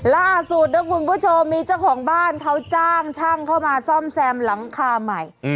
ล่าสุดนะคุณผู้ชมมีเจ้าของบ้านเขาจ้างช่างเข้ามาซ่อมแซมหลังคาใหม่